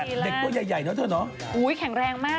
เด็กตัวใหญ่เนาะเถอะเนาะ